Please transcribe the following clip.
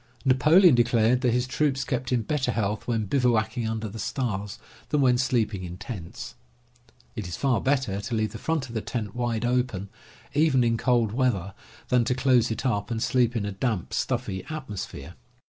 Napoleon declared that his troops kept in better health when bivouacking under the stars than when sleeping in tents. It is far better to leave the front of the tent wide open, even in cold weather, than to close it up and sleep in a damp, stuffy atmosphere.